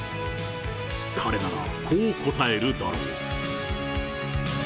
彼ならこう答えるだろう。